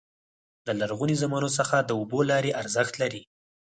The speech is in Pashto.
د لرغوني زمانو څخه د اوبو لارې ارزښت لري.